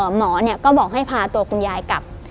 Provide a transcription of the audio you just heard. หมอก็บอกให้พาตัวคุณยายกลับ